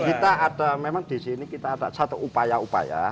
kita ada memang di sini kita ada satu upaya upaya